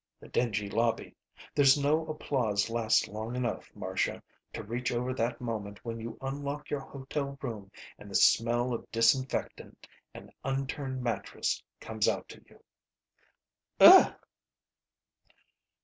The dingy lobby. There's no applause lasts long enough, Marcia, to reach over that moment when you unlock your hotel room and the smell of disinfectant and unturned mattress comes out to you." "Ugh!"